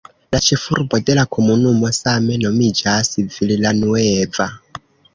La ĉefurbo de la komunumo same nomiĝas "Villanueva".